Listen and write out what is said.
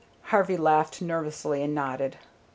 Harvey laughed nervously and nodded.